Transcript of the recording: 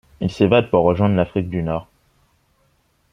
Il s'évade pour rejoindre l’Afrique du Nord.